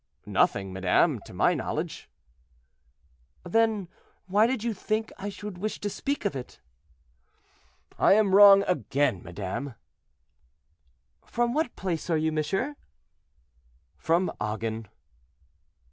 "Nothing, madame, to my knowledge." "Then why did you think I should wish to speak of it?" "I am wrong again, madame." "From what place are you, monsieur?" "From Agen."